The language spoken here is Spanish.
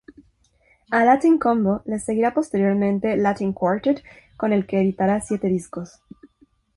A "Latin Combo" le seguirá posteriormente "Latin Quartet", con el que editará siete discos.